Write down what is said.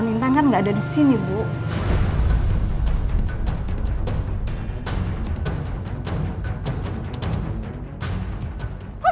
masa makanannya cuma sebuah mangkok